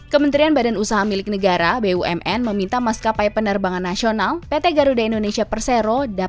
kementerian badan usaha milik negara bumn meminta maskapai penerbangan nasional pt garuda indonesia persero